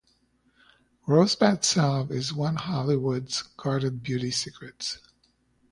Rosebud Salve is one Hollywood's guarded beauty secrets.